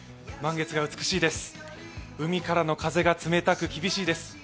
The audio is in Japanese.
満月が美しいです、海からの風が冷たく厳しいです。